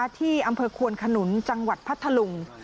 ที่อำเภอควนขนุนจังหวัดพัทธลุง